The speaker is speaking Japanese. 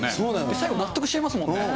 最後納得しちゃいますよね。